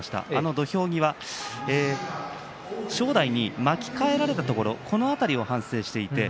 土俵際正代に巻き替えられるところこの辺りを反省していました。